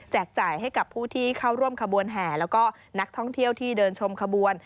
จ่ายให้กับผู้ที่เข้าร่วมขบวนแห่แล้วก็นักท่องเที่ยวที่เดินชมขบวน